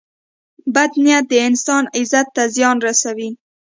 • بد نیت د انسان عزت ته زیان رسوي.